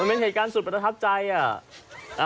เป็นเหตุการณ์สุดประทับใจอ่ะ